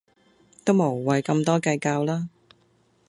都無謂咁多計較啦